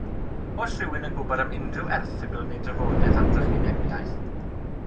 Oes rhywun yn gwybod am unrhyw erthygl neu drafodaeth am drychinebiaeth?